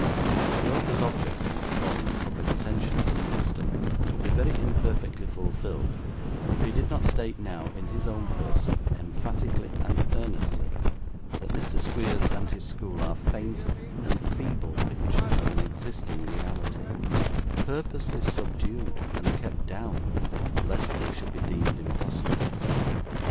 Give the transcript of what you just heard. "The Author's object in calling public attention to the system would be very imperfectly fulfilled, if he did not state now, in his own person, emphatically and earnestly, that Mr. Squeers and his school are faint and feeble pictures of an existing reality, purposely subdued and kept down lest they should be deemed impossible.